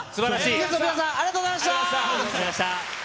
ＮＥＷＳの皆さん、ありがとうございました。